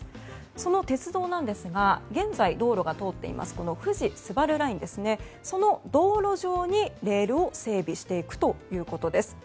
その鉄道なんですが現在、道路が通っている富士スバルラインの道路上にレールを整備していくということです。